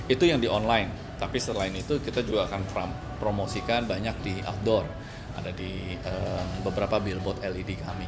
itu yang di online tapi setelah itu kita juga akan promosikan banyak di outdoor ada di beberapa billboard led kami